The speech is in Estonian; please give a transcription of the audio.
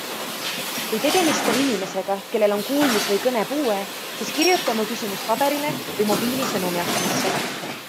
Kui tegemist on inimesega, kel on kuulmis- või kõnepuue, siis kirjuta oma küsimus paberile või mobiili sõnumiaknasse.